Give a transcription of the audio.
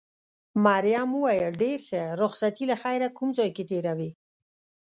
مريم وویل: ډېر ښه، رخصتي له خیره کوم ځای کې تېروې؟